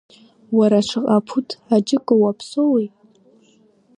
Уара шаҟа ԥуҭ аџьыка уаԥсоуи?